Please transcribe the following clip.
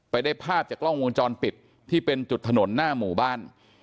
ได้ภาพจากกล้องวงจรปิดที่เป็นจุดถนนหน้าหมู่บ้าน